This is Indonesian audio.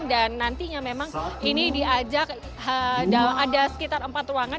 dan nantinya memang ini diajak ada sekitar empat ruangan